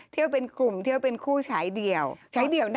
เที่ยวเป็นกลุ่มเที่ยวเป็นคู่ฉายเดียว